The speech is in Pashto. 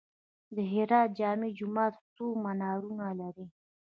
د هرات جامع جومات څو منارونه لري؟